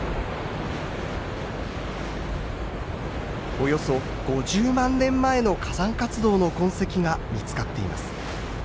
およそ５０万年前の火山活動の痕跡が見つかっています。